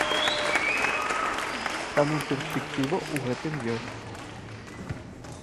Таму перспектыва ў гэтым ёсць.